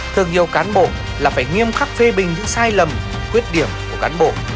thương yêu cán bộ là phải nghiêm khắc phê bình những sai lầm khuyết điểm của cán bộ